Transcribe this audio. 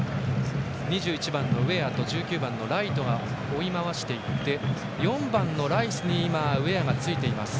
２１番、ウェアと１９番のライトが追い回していって４番、ライスにウェアがついています。